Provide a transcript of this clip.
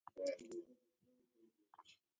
Vilongozi w'aja w'imangishiro kazi waenjwa kotinyi.